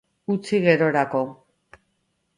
Utzi gerorako.